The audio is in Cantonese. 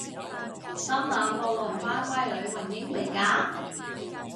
心諗我黃花閨女雲英未嫁！？